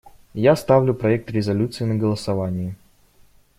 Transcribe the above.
Я ставлю проект резолюции на голосование.